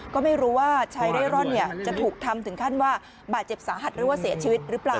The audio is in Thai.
ก็ไม่รู้ว่าชายเร่ร่อนจะถูกทำถึงขั้นว่าบาดเจ็บสาหัสหรือว่าเสียชีวิตหรือเปล่า